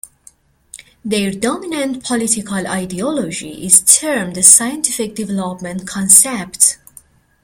Their dominant political ideology is termed the Scientific Development Concept.